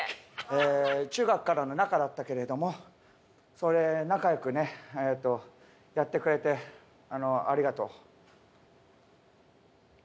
えー中学からの仲だったけれどもそれ仲良くねやってくれてありがとう。